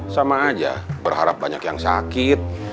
sama aja berharap banyak yang sakit